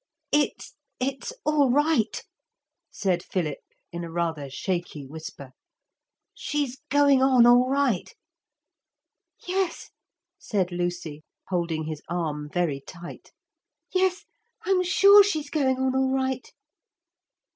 'It's it's all right,' said Philip, in a rather shaky whisper. 'She's going on all right.' 'Yes,' said Lucy, holding his arm very tight; 'yes, I'm sure she's going on all right.'